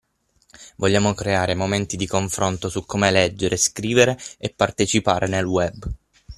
Vogliamo creare momenti di confronto su come leggere, scrivere e partecipare nel Web.